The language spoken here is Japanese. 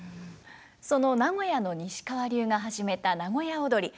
その名古屋の西川流が始めた名古屋をどり。